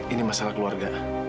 ini masalah keluarga